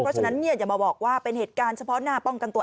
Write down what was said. เพราะฉะนั้นอย่ามาบอกว่าเป็นเหตุการณ์เฉพาะหน้าป้องกันตัว